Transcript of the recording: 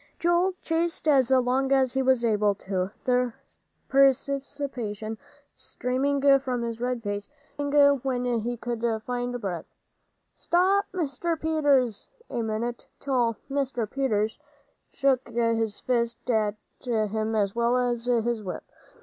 Joel chased as long as he was able to, the perspiration streaming from his red face, screaming when he could find breath, "Stop, Mr. Peters, a minute," till Mr. Peters shook his fist at him as well as his whip.